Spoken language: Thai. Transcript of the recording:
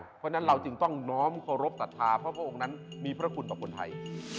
เพราะฉะนั้นเราจึงต้องน้อมเคารพสัทธาเพราะพระองค์นั้นมีพระคุณต่อคนไทย